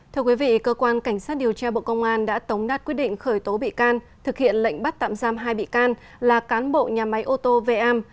thưa quý vị cơ quan cảnh sát điều tra bộ công an đã tống đạt quyết định khởi tố bị can thực hiện lệnh bắt tạm giam hai bị can là cán bộ nhà máy ô tô vam